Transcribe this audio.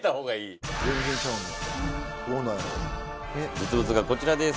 「実物がこちらです」